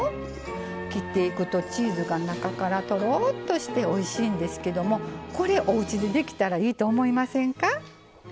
切っていくと、チーズが中からとろっとしておいしいんですけどこれをおうちでできたらいいと思いませんか？